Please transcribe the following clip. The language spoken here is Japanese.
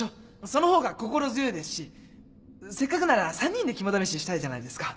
そのほうが心強いですしせっかくなら３人で肝試ししたいじゃないですか。